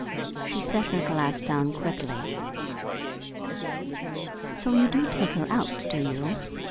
She set her glass down quickly. "So you do take her out, do you?"